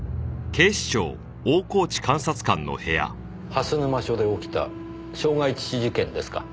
蓮沼署で起きた傷害致死事件ですか。